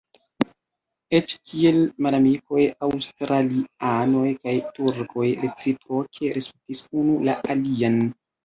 Eĉ kiel malamikoj aŭstralianoj kaj turkoj reciproke respektis unu la alian.